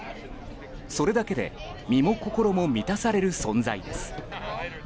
それだけで身も心も満たされる存在です。